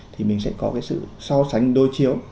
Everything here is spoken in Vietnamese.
cho sánh đôi chiếu